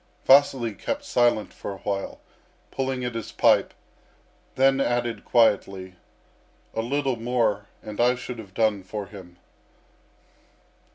Vasily kept silent for a while, pulling at his pipe, then added quietly: "A little more and I should have done for him."